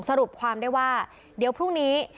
สรุปความได้ว่าเดี๋ยวพรุ่งนี้